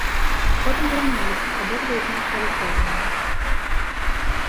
Потым зраўняліся, абодва ізноў сталі чорныя.